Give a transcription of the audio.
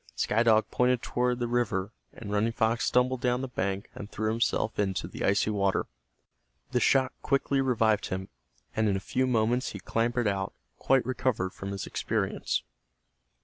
Sky Dog pointed toward the river, and Running Fox stumbled down the bank and threw himself into the icy water. The shock quickly revived him, and in a few moments he clambered out quite recovered from his experience.